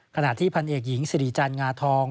ขณะที่พันเอกหญิงสิริจันทร์งาทอง